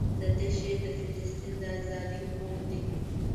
دده شعر د فلسطین د ازادۍ خوب دی.